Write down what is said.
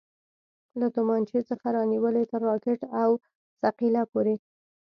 له تمانچې څخه رانيولې تر راکټ او ثقيله پورې.